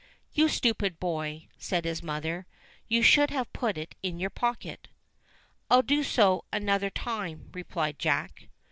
"You stupid boy," said his mother, "you should have put it in your pocket." "I'll do so another time," replied Jack.